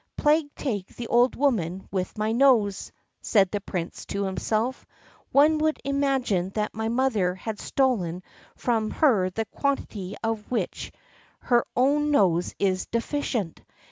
"Plague take the old woman with my nose," said the Prince to himself; "one would imagine that my mother had stolen from her the quantity of which her own nose is deficient.